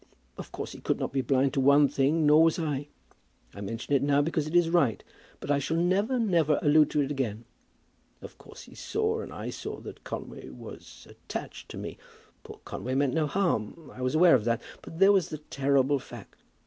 "Of course he could not be blind to one thing; nor was I. I mention it now because it is right, but I shall never, never allude to it again. Of course he saw, and I saw, that Conway was attached to me. Poor Conway meant no harm. I was aware of that. But there was the terrible fact.